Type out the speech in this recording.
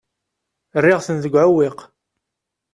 Rriɣ-ten deg uɛewwiq.